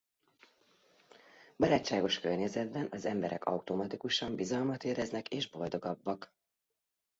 Barátságos környezetben az emberek automatikusan bizalmat éreznek és boldogabbak.